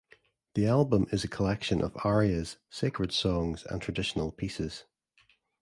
The album is a collection of arias, sacred songs and traditional pieces.